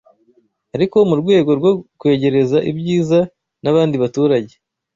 ariko mu rwego rwo kwegereza ibyiza n’abandi baturage,